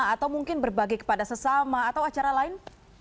atau mungkin berbagi kepada sesama atau acara lain